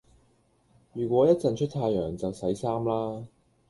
如果一陣出太陽就洗衫啦